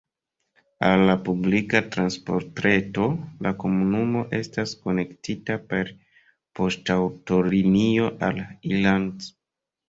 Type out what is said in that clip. Al la publika transportreto la komunumo estas konektita per poŝtaŭtolinio al Ilanz.